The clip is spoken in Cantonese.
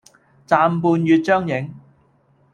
暫伴月將影，